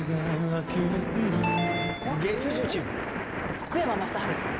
福山雅治さん。